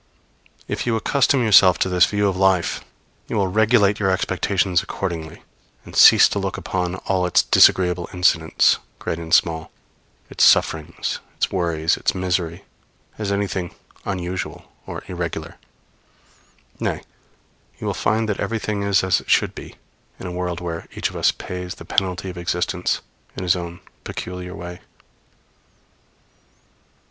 ] If you accustom yourself to this view of life you will regulate your expectations accordingly, and cease to look upon all its disagreeable incidents, great and small, its sufferings, its worries, its misery, as anything unusual or irregular; nay, you will find that everything is as it should be, in a world where each of us pays the penalty of existence in his own peculiar way.